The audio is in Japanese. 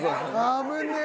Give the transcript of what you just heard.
危ねえ！